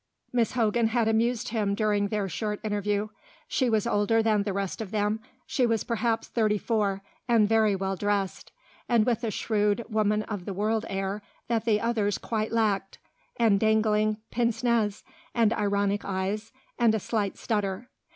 Miss Hogan had amused him during their short interview. She was older than the rest of them; she was perhaps thirty four, and very well dressed, and with a shrewd, woman of the world air that the others quite lacked, and dangling pince nez, and ironic eyes, and a slight stutter.